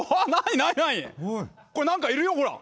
これ何かいるよほら。